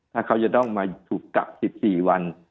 ถ้าเขาจะต้องมาถูกจับ๑๔วัน